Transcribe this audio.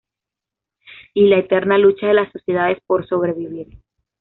Y la eterna lucha de las sociedades por sobrevivir.